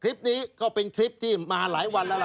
คลิปนี้ก็เป็นคลิปที่มาหลายวันแล้วล่ะ